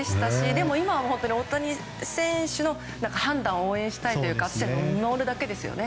でも、今は大谷選手の判断を応援したいというか見守るだけですよね。